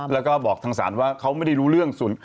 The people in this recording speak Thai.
แล้วก็บอกทางศาลว่าเขาไม่ได้รู้เรื่อง